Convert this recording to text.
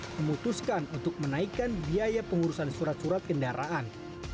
memutuskan untuk menaikkan biaya pengurusan surat surat kendaraan